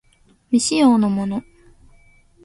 未使用のもの